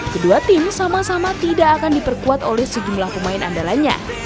kedua tim sama sama tidak akan diperkuat oleh sejumlah pemain andalanya